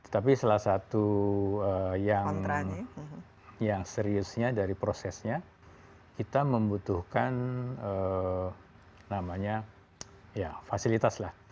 tapi salah satu yang seriusnya dari prosesnya kita membutuhkan namanya fasilitas lah